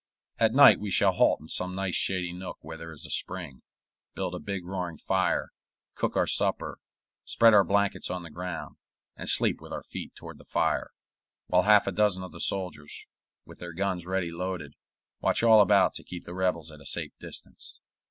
At night we shall halt in some nice shady nook where there is a spring, build a big roaring fire, cook our supper, spread our blankets on the ground, and sleep with our feet toward the fire, while half a dozen of the soldiers, with their guns ready loaded, watch all about to keep the rebels at a safe distance.